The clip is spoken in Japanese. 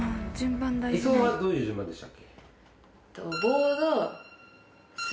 理想はどういう順番でしたっけ？